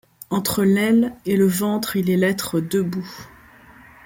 Entre l’aile, et le ventre il est l’être debout ;